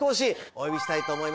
お呼びしたいと思います。